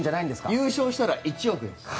優勝したら１億円です。